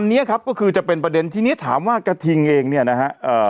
อันนี้ครับก็คือจะเป็นประเด็นที่นี้ถามว่ากระทิงเองเนี่ยนะฮะเอ่อ